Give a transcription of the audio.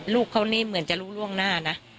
ลูกเขานี่เหมือนจะรู้ล่วงหน้านะ